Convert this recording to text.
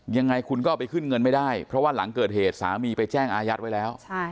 ยังไงคุณก็เอาไปขึ้นเงินไม่ได้เพราะว่าหลังเกิดเหตุสามีไปแจ้งอายัดไว้แล้ว